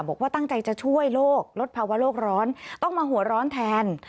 บอกว่าตั้งใจจะช่วยโลกลดภาวะโลกร้อนต้องมาหัวร้อนแทน